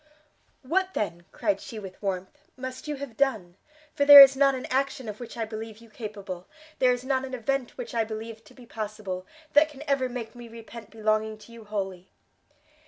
"What, then," cried she with warmth, "must you have done? for there is not an action of which I believe you capable, there is not an event which I believe to be possible, that can ever make me repent belonging to you wholly!"